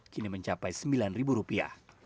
kini mencapai satu rupiah